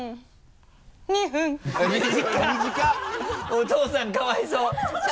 お父さんかわいそう